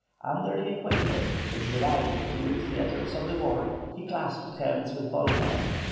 Under the equator, which divides the two theatres of the war, he clasped hands with Bolívar.